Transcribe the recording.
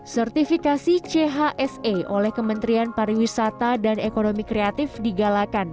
sertifikasi chse oleh kementerian pariwisata dan ekonomi kreatif digalakan